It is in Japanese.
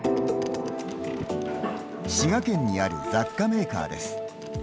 滋賀県にある、雑貨メーカーです。